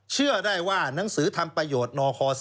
เชื่อได้ว่าหนังสือทำประโยชน์นค๔